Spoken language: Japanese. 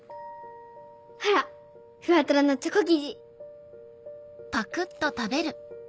ほらっふわとろのチョコ生地。